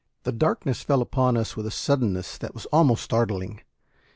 The darkness fell upon us with a suddenness that was almost startling.